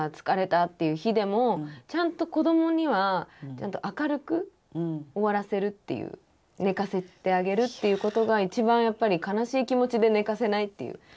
疲れたっていう日でもちゃんと子どもには明るく終わらせるっていう寝かせてあげるっていうことが一番やっぱり悲しい気持ちで寝かせないっていう。